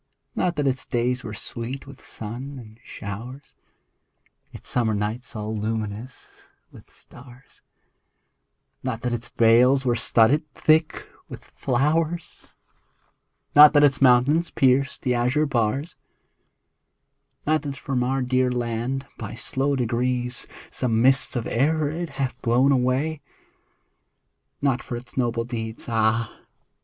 Not that its days were sweet with sun and showers ; Its summer nights all luminous with stars : Not that its vales were studded thick with flowers ; Not that its mountains pierced the azure bars ; Not that from our dear land, by slow degrees, Some mists of error it hath blown away ; Not for its noble deeds — ah